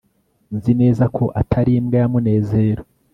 nzi neza ko atari imbwa ya munezero